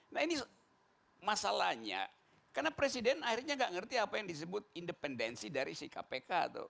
nah ini masalahnya karena presiden akhirnya nggak ngerti apa yang disebut independensi dari si kpk tuh